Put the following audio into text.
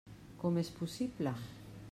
Com és possible?